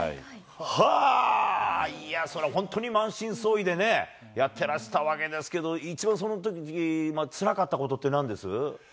はー、いや、それは本当に満身創痍でね、やってらしたわけですけど、一番そのときつらかったことってなんです？